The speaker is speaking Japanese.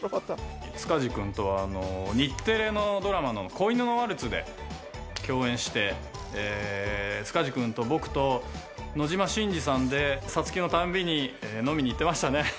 塚地君とは日テレのドラマの『仔犬のワルツ』で共演して塚地君と僕と野島伸司さんで撮休のたんびに飲みに行ってましたね。